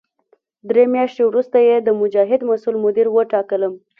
درې میاشتې وروسته یې د مجاهد مسوول مدیر وټاکلم.